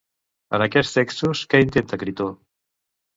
En aquests textos què intenta Critó?